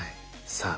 さあ